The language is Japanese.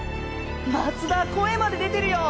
松田声まで出てるよ！